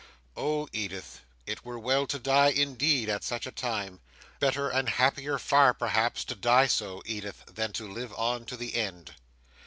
Oh, Edith! it were well to die, indeed, at such a time! Better and happier far, perhaps, to die so, Edith, than to live on to the end!